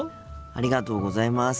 ありがとうございます。